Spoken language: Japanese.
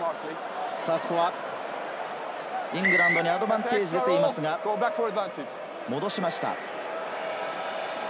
イングランドにアドバンテージが出ていますが、戻しました。